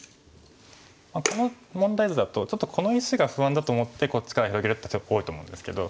この問題図だとちょっとこの石が不安だと思ってこっちから広げるって多いと思うんですけど。